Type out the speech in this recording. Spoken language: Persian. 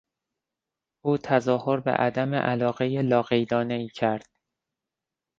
او تظاهر به عدم علاقهی لاقیدانهای کرد.